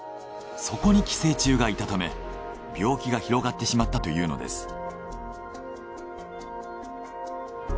そこに寄生虫がいたため病気が広がってしまったというのです。